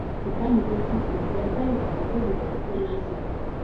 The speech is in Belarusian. Пытанне толькі ў тым, як далёка гатовы зайсці рэжысёр.